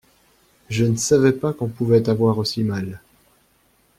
Je ne savais pas qu’on pouvait avoir aussi mal.